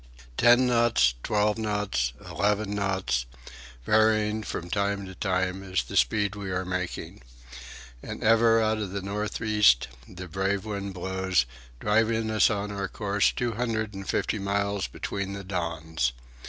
Ten knots, twelve knots, eleven knots, varying from time to time, is the speed we are making. And ever out of the north east the brave wind blows, driving us on our course two hundred and fifty miles between the dawns.